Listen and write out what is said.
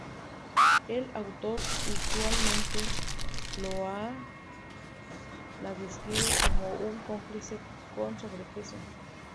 El autor usualmente lo o la describe como 'un cómplice con sobrepeso'.